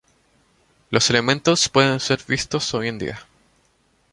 Los elementos pueden ser vistos hoy en día.